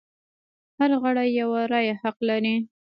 هر غړی یوه رایه حق لري.